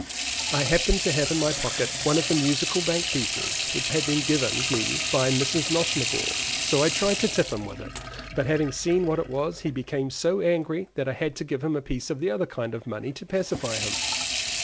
I happened to have in my pocket one of the Musical Bank pieces, which had been given me by Mrs. Nosnibor, so I tried to tip him with it; but having seen what it was, he became so angry that I had to give him a piece of the other kind of money to pacify him.